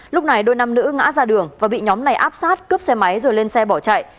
lúc này đôi nam nữ ngã ra đường và bị nhóm này áp sát cướp xe máy rồi lên xe bỏ chạy